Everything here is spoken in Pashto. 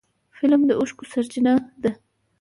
فلم د اوښکو سرچینه ده